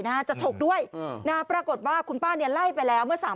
นะฮะจะชกด้วยอืมนาประกอบว่าคุณป้าเนี่ยไล่ไปแล้วเมื่อสาม